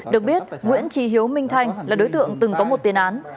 được biết nguyễn trí hiếu minh thanh là đối tượng từng có một tiền án